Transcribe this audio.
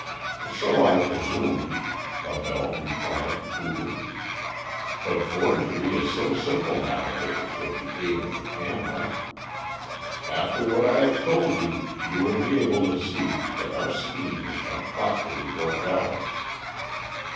"So I presume," Abell replied coolly. "But forgery is so simple nowadays with the aid of the camera. After what I have told you you will be able to see that our scheme has been thoughtfully worked out."